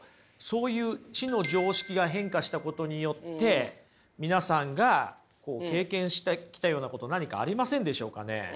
そういう知の常識が変化したことによって皆さんが経験してきたようなこと何かありませんでしょうかね？